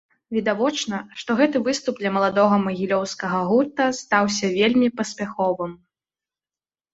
Відавочна, што гэты выступ для маладога магілёўскага гурта стаўся вельмі паспяховым.